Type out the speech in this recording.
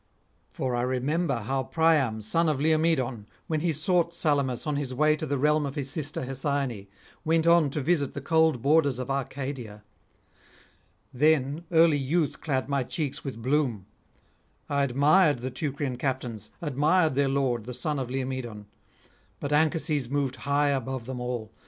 For I remember how Priam son of Laomedon, when he sought Salamis on his way to the realm of his sister Hesione, went on to visit the cold borders of Arcadia. Then early youth clad my cheeks with bloom. I admired the Teucrian captains, admired their lord, the son of Laomedon; but Anchises moved high above them all.